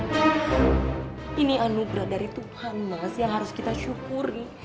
ini anugerah dari tuhan mas yang harus kita syukuri